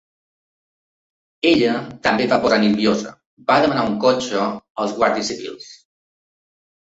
Ella també es va posar nerviosa, va demanar un cotxe als guàrdies civils.